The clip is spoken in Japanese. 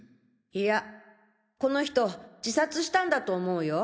いやこの人自殺したんだと思うよ。